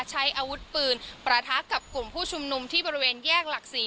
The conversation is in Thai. ใช้อาวุธปืนประทะกับกลุ่มผู้ชุมนุมที่บริเวณแยกหลักศรี